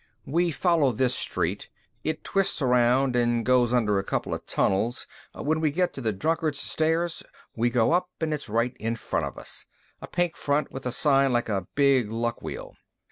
"We follow this street. It twists around and goes under a couple tunnels. When we get to the Drunkard's Stairs we go up and it's right in front of us. A pink front with a sign like a big Luck Wheel."